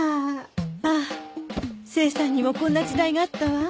ああ清さんにもこんな時代があったわ